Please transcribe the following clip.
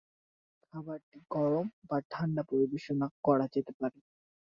খাবারটি গরম বা ঠান্ডা পরিবেশন করা যেতে পারে।